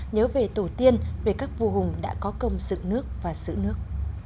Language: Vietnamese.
nhớ về tổ tiên về các vua hùng đã có công dựng nước và giữ nước